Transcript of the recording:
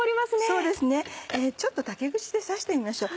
そうですねちょっと竹串で刺してみましょう。